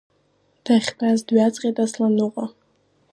Дахьтәаз дҩаҵҟьеит Асланыҟәа.